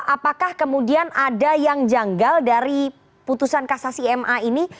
apakah kemudian ada yang janggal dari putusan kasasi ma ini